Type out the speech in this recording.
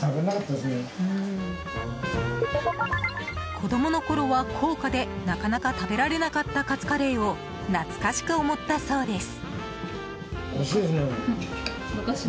子供のころは高価でなかなか食べられなかったカツカレーを懐かしく思ったそうです。